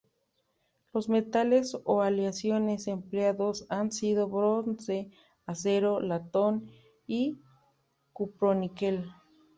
Los metales o aleaciones empleadas han sido bronce, acero, latón y cuproníquel.